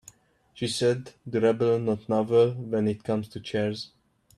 She said durable not novel when it comes to chairs.